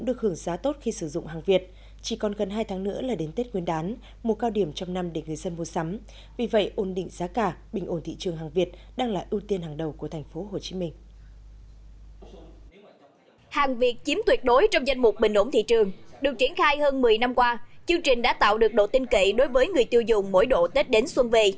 được triển khai hơn một mươi năm qua chương trình đã tạo được độ tin kỵ đối với người tiêu dùng mỗi độ tết đến xuân về